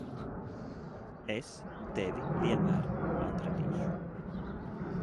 Es tevi vienmēr atradīšu.